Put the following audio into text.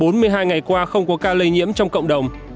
trong bốn mươi hai ngày qua không có ca lây nhiễm trong cộng đồng